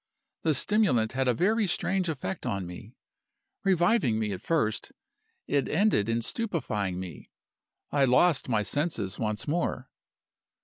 The stimulant had a very strange effect on me. Reviving me at first, it ended in stupefying me. I lost my senses once more.